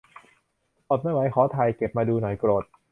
อดไม่ไหว ขอถ่ายเก็บมาดูหน่อย โกรธ